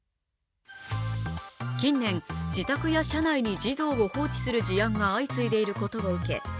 近年、自宅や車内に児童を放置する事案が相次いでいることを受け